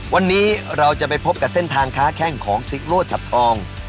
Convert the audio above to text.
วันนี้เราจะไปพบกับเส้นทางค้าแข้งของซิกโล่จับทอง